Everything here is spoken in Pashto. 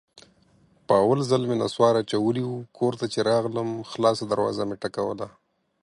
په اول ځل مې نصوار اچولي وو، کور ته چې راغلم خلاصه دروازه مې ټکوله.